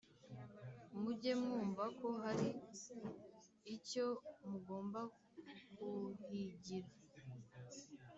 muge mwumva ko hari icyo mugomba kuhigira